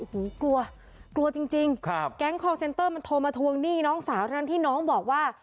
กลัวกลัวจริงครับแก๊งคอลเซนเตอร์มันโทรมาทวงหนี้น้องสาวทั้งที่น้องบอกว่า